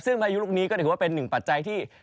ซึ่งพายุลูกนี้ก็ถือว่าเป็นหนึ่งปัจจัยที่